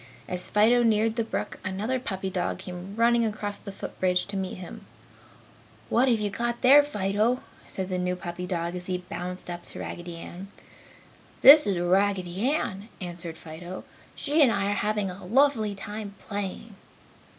As Fido neared the brook, another puppy dog came running across the foot bridge to meet him. "What have you there, Fido?" said the new puppy dog as he bounced up to Raggedy Ann. "This is Raggedy Ann," answered Fido. "She and I are having a lovely time playing."